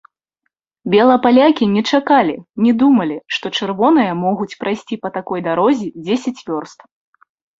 Белапалякі не чакалі, не думалі, што чырвоныя могуць прайсці па такой дарозе дзесяць вёрст!